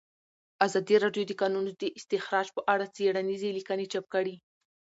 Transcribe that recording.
ازادي راډیو د د کانونو استخراج په اړه څېړنیزې لیکنې چاپ کړي.